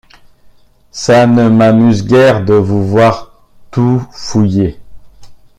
Ça ne m’amuse guère de vous voir tout fouiller...